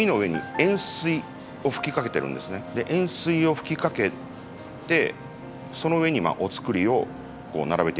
塩水を吹きかけてその上にお造りを並べていくと。